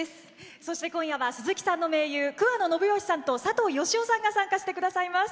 そして今夜は鈴木さんの盟友佐藤善雄さんと桑野信義さんが参加してくださいます。